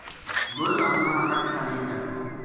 گل ہمناں رکھ تا لے چل